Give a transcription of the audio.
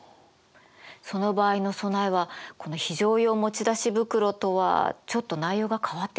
その場合の備えはこの非常用持ち出し袋とはちょっと内容が変わってくるのね。